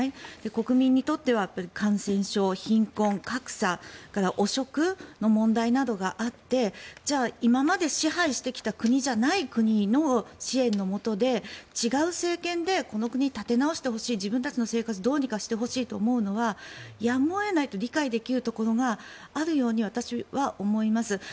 国民にとっては感染症、貧困、格差それから汚職の問題などがあってじゃあ、今まで支配してきた国じゃない国の支援のもとで、違う政権でこの国を立て直してほしい自分たちの生活をどうにかしてほしいと思うのはやむを得ないと理解できるところがあるように私は思います。